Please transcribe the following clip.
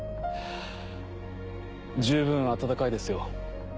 十分温かいですよ。